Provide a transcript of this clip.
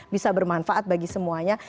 bisa bermanfaat bagi semuanya